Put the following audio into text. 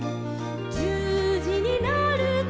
「じゅうじになると」